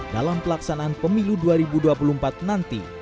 dalam pelaksanaan pemilu dua ribu dua puluh empat nanti